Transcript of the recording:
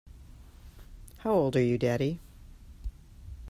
How old are you, daddy.